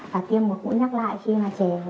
và tiêm một mũi nhắc lại khi trẻ được một mươi tám tháng